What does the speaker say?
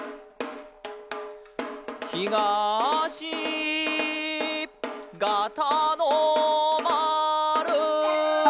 ひがしガタのまる！